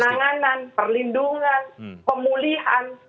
penanganan perlindungan pemulihan